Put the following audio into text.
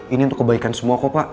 ini untuk kebaikan semua kok pak